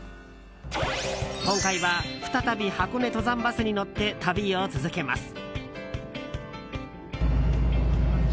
今回は再び箱根登山バスに乗って旅を続けます。